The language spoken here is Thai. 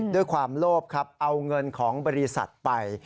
ด้วยความโลภครับเอาเงินของบริษัทไป